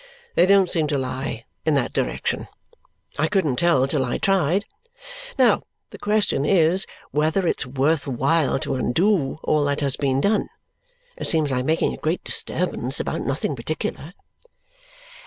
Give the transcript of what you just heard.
They don't seem to lie in that direction. I couldn't tell till I tried. Now the question is whether it's worth while to undo all that has been done. It seems like making a great disturbance about nothing particular."